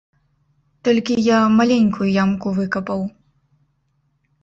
Толькі я маленькую ямку выкапаў.